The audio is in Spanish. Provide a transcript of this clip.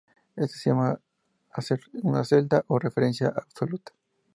Esto se llama hacer una celda o referencia absoluta.